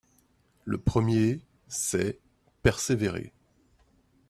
Le premier, c’est, Persévérer.